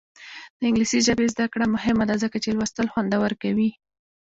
د انګلیسي ژبې زده کړه مهمه ده ځکه چې لوستل خوندور کوي.